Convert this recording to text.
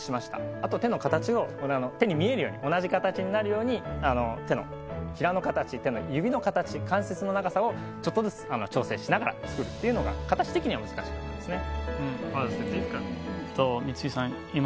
あと手の形をこれ手に見えるように同じ形になるように手のひらの形手の指の形関節の長さをちょっとずつ調整しながら作るっていうのが形的には難しかったですね